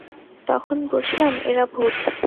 তখন বুঝলাম, এরা ভূত।